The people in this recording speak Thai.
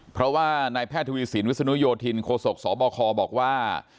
เพราะว่านายแพทย์ทวีสินวิศนุโยธินโคศกสบคบอกว่า